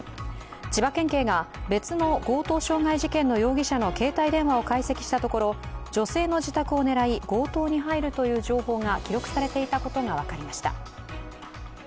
千葉県警が別の強盗傷害事件の容疑者の携帯電話を解析したところ女性の自宅を狙い強盗に入るという情報が記録されていたことが分かりました。